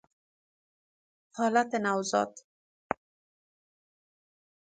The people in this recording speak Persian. حالت نوزاد